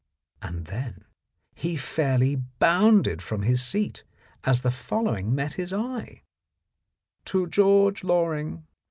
And then he fairly bounded from his seat, as the following met his eye : "To George Loring.